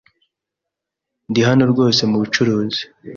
Ndi hano rwose mubucuruzi.